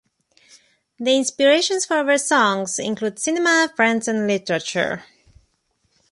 The inspirations for their songs include cinema, friends and literature.